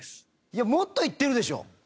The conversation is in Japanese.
いやもっといってるでしょ！